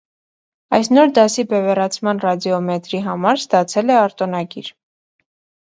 Այս նոր դասի բևեռացման ռադիոմետրի համար ստացել է արտոնագիր։